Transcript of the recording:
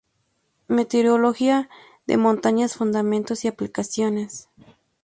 Meteorología de Montañas: Fundamentos y Aplicaciones.